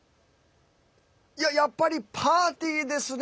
やっぱりパーティーですね。